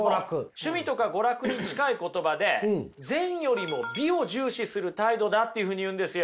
「趣味」とか「娯楽」に近い言葉で善よりも美を重視する態度だっていうふうに言うんですよ。